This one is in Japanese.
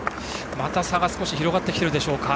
また差が少し広がってきているでしょうか。